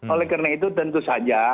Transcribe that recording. oleh karena itu tentu saja